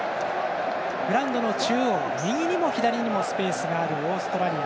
グラウンドの中央、右にも左にもスペースがあるオーストラリア。